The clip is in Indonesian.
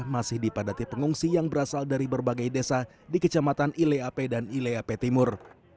masih dipadati pengungsi yang berasal dari berbagai desa di kecamatan ileape dan ileape timur